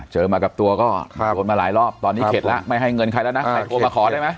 มากับตัวก็โดนมาหลายรอบตอนนี้เข็ดแล้วไม่ให้เงินใครแล้วนะใครโทรมาขอได้ไหม